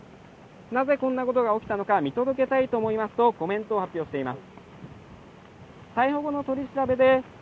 なぜこんなことが起きたのか見届けたいと思いますとコメントを発表しています。